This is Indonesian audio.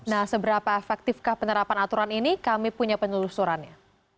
nah seberapa efektifkah penerapan aturan ini kami punya penelusurannya